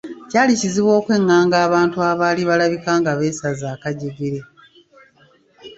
Kyali kizibu okwaŋŋaanga abantu abaali balabika nga beesaze akajjegere.